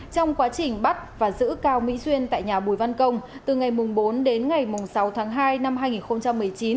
trong quá trình bắt và giữ cao mỹ duyên tại nhà bùi văn công từ ngày bốn đến ngày sáu tháng hai năm hai nghìn một mươi chín